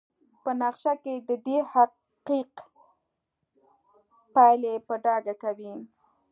په نقشه کې ددې حقیق پایلې په ډاګه کوي.